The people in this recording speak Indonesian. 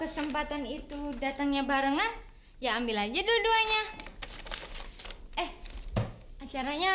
sampai jumpa di video selanjutnya